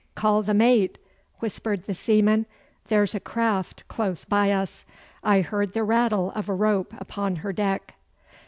'Call the mate!' whispered the seaman. 'There's a craft close by us. I heard the rattle of a rope upon her deck.